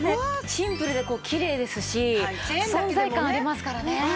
シンプルできれいですし存在感ありますからね。